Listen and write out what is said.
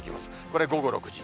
これ午後６時。